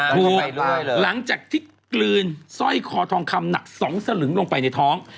ถูกหลังจากที่กลืนสร้อยคอทองคำหนัก๒สลึงลงไปในท้อง